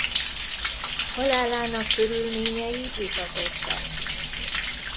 Halálának körülményei vitatottak.